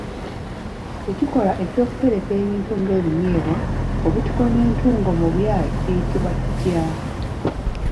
Ekikolwa ekyokutereka ebintu nga ebinyeebwa, obutiko n'entungo mu byayi kiyitibwa kitya?